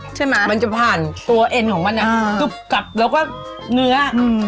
กลึ๊บใช่มั้ยมันจะผ่านตัวเอ็นของมันเนี้ยอ่าตุ๊บกับแล้วก็เนื้ออืม